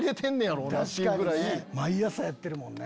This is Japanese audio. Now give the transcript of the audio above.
毎朝やってるもんね。